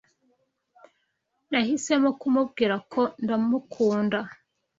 Nahisemo kumubwira ko ndamukunda.